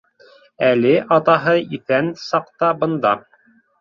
Әле атаһы иҫән саҡта бында